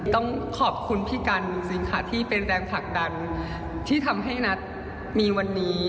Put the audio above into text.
ต้องขอบคุณพี่กันจริงค่ะที่เป็นแรงผลักดันที่ทำให้นัทมีวันนี้